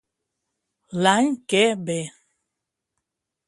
L'any que ve.